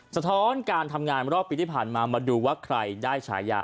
สะท้อนการทำงานรอบปีที่ผ่านมามาดูว่าใครได้ฉายา